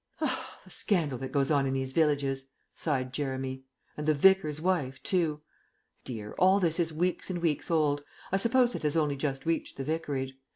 "The scandal that goes on in these villages," sighed Jeremy. "And the Vicar's wife too. Dear, all this is weeks and weeks old; I suppose it has only just reached the Vicarage.